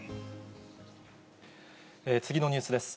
次のニュースです。